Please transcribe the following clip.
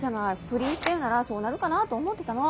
不倫してるならそうなるかなと思ってたの。